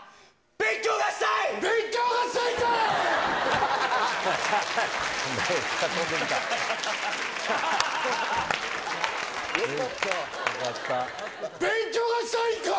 勉強がしたいんかい！